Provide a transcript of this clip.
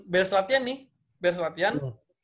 bebas latihan nih beres latihan